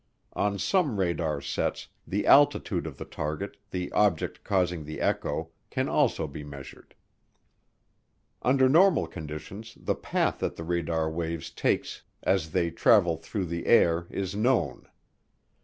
On some radar sets the altitude of the target, the object causing the echo, can also be measured. Under normal conditions the path that the radar waves take as they travel through the air is known.